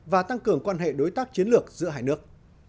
và tăng cường quan hệ đối tác chiến lược giữa hai nước